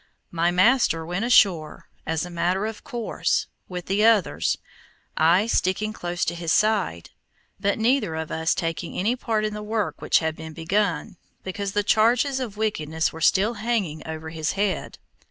My master went ashore, as a matter of course, with the others, I sticking close to his side; but neither of us taking any part in the work which had been begun, because the charges of wickedness were still hanging over his head.